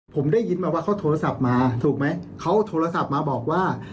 ผมได้ยินมาว่าเขาโทรศัพท์มาถูกไหมเขาโทรศัพท์มาบอกว่า